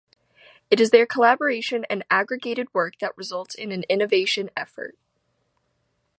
It is their collaboration and aggregated work that results in an innovation effort.